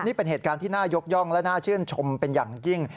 นี่เป็นเหตุการณ์ที่น่ายกย่องและน่าชื่นชมเป็นอย่างยิ่ง